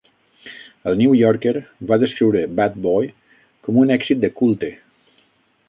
"El New Yorker" va descriure "Bat Boy" com un "èxit de culte".